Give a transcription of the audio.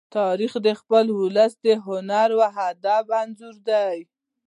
تاریخ د خپل ولس د هنر او ادب انځور دی.